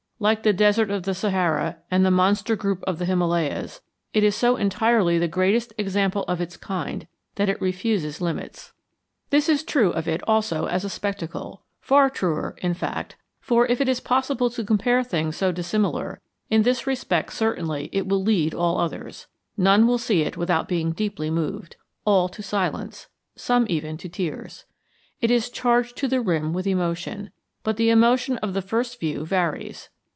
Like the Desert of Sahara and the monster group of the Himalayas, it is so entirely the greatest example of its kind that it refuses limits. This is true of it also as a spectacle; far truer, in fact, for, if it is possible to compare things so dissimilar, in this respect certainly it will lead all others. None see it without being deeply moved all to silence, some even to tears. It is charged to the rim with emotion; but the emotion of the first view varies.